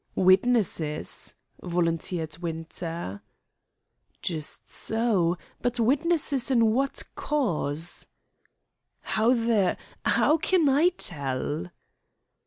"Witnesses," volunteered Winter. "Just so; but witnesses in what cause?" "How the how can I tell?"